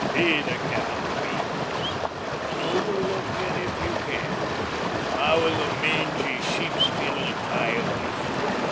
"Be the cattle queen," said Webb; "and overlook it if you can. I was a mangy, sheep stealing coyote."